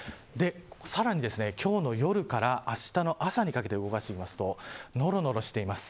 さらに今日の夜からあしたの朝にかけて動かしてみるとのろのろしています。